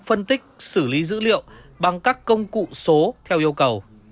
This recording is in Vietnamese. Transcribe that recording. phân tích xử lý dữ liệu bằng các công cụ số theo yêu cầu